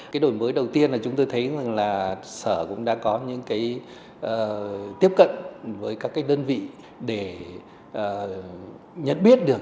cái đổi mới đầu tiên là chúng tôi thấy sở đã có những tiếp cận với các đơn vị để nhất biết được